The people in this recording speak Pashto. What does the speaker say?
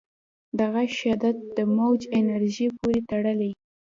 د غږ شدت د موج انرژۍ پورې تړلی.